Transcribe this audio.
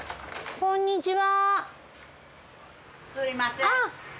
こんにちは。